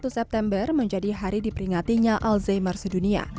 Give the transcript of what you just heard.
dua puluh satu september menjadi hari diperingatinya alzheimer sedunia